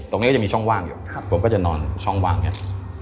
ตรงนี้ก็จะมีช่องว่างอยู่ผมก็จะนอนช่องว่างเนี่ย